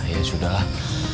ya sudah lah